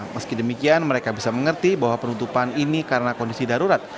meski demikian mereka bisa mengerti bahwa penutupan ini karena kondisi darurat